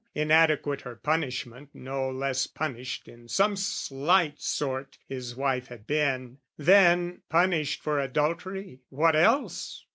Inadequate her punishment, no less Punished in some slight sort his wife had been; Then, punished for adultery, what else?